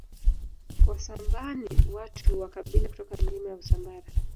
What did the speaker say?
Wasambaa ni watu wa kabila kutoka Milima ya Usambara